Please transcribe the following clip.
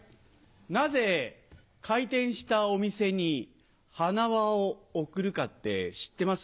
なぜ開店したお店に花輪を贈るかって知ってます？